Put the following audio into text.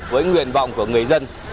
với nguyện vọng của người dân